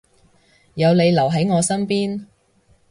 有你留喺我身邊